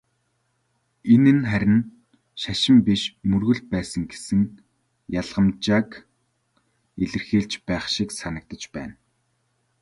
Энэ нь харин "шашин" биш "мөргөл" байсан гэсэн ялгамжааг илэрхийлж байх шиг санагдаж байна.